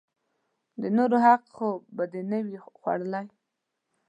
د نورو حق خو به دې نه وي خوړلئ!